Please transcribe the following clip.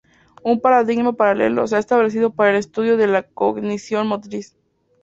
Un paradigma paralelo se ha establecido para el estudio de la cognición motriz.